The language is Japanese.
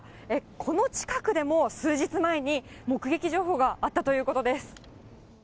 この近くでも数日前に、目撃情報があったということです。